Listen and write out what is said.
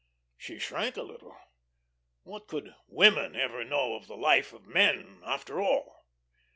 She shrank a little. What could women ever know of the life of men, after all?